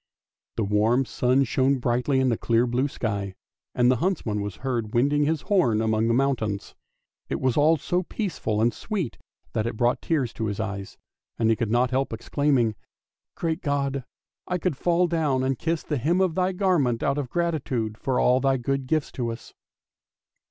The warm sun shone brightly in the clear blue sky, and the huntsman was heard winding his horn among the mountains; it was all so peaceful and sweet that it brought tears to his eyes, and he could not help exclaiming, " Great God, I could fall down and kiss the hem of Thy garment out of gratitude for all Thy good gifts to us!